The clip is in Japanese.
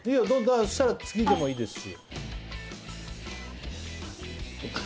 そしたら次でもいいですし。